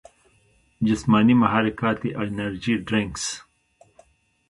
جسماني محرکات ئې انرجي ډرنکس ،